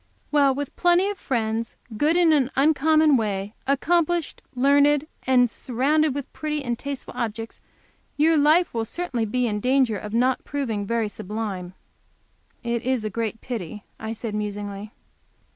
"Well, with plenty of friends, good in an uncommon way, accomplished, learned, and surrounded with pretty and tasteful objects, your life will certainly be in danger of not proving very sublime." "It is a great pity," I said, musingly.